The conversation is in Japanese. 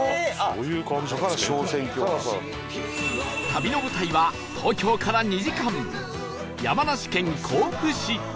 旅の舞台は東京から２時間山梨県甲府市